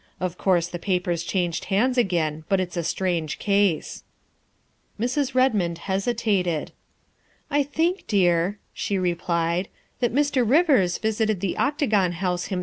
Of course, the papers changed hands again, but it 's a strange case. '' Mrs. Redmond hesitated. " I think, dear," she replied, " that Mr. Rivers vis ited the Octagon House himself."